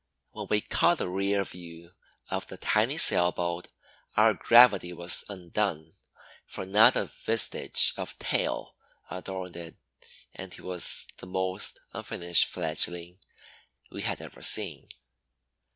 When we caught a rear view of the tiny sailboat our gravity was undone, for not a vestige of tail adorned it and he was the most unfinished fledgling we had ever seen.